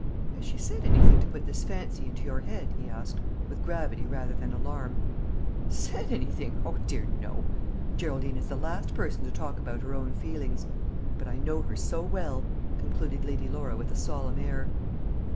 "Has she said anything to put this fancy into your head?" he asked, with gravity rather than alarm. "Said anything! O dear, no. Geraldine is the last person to talk about her own feelings. But I know her so well," concluded Lady Laura with a solemn air.